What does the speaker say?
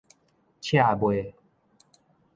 刺襪